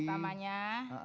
ya saya budi